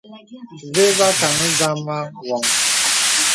Vè và kàŋə zàmā woŋ.